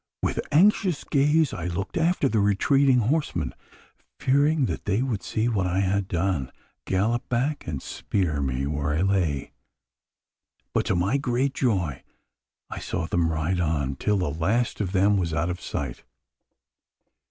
With anxious gaze I looked after the retreating horsemen: fearing they would see what I had done, gallop back, and spear me where I lay; but to my great joy I saw them ride on, till the last of them was out of sight.